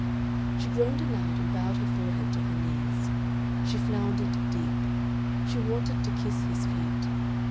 She groaned aloud and bowed her forehead to her knees. She floundered deep. She wanted to kiss his feet.